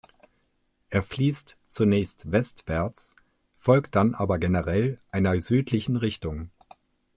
Er fließt zunächst westwärts, folgt dann aber generell einer südlichen Richtung.